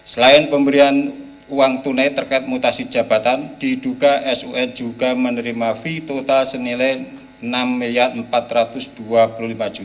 selain pemberian uang tunai terkait mutasi jabatan diduga sun juga menerima fee total senilai rp enam empat ratus dua puluh lima